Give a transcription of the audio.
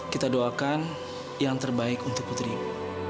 kita doakan yang terbaik untuk putri ibu